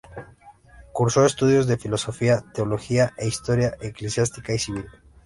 Cursó estudios de filosofía, teología e historia eclesiástica y civil.